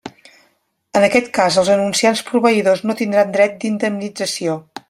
En aquest cas els anunciants proveïdors no tindran dret d'indemnització.